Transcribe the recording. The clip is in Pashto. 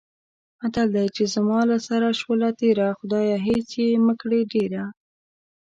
متل دی: چې زما له سره شوله تېره، خدایه هېڅ یې مه کړې ډېره.